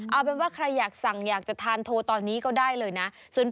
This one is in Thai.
เอาเป็นว่าใครอยากสั่งอยากจะทานโทรตอนนี้ก็ได้เลยนะ